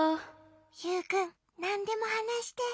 ユウくんなんでもはなして。